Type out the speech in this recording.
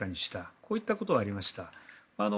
こういったことがありました。